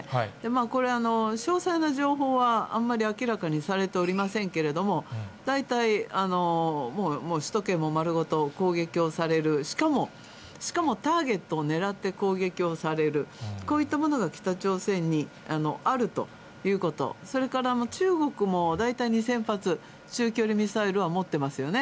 これ、詳細な情報はあんまり明らかにされておりませんけれども、大体もう首都圏も丸ごと攻撃をされる、しかも、しかもターゲットを狙って攻撃をされる、こういったものが北朝鮮にあるということ、それから中国も大体２０００発、中距離ミサイルは持ってますよね。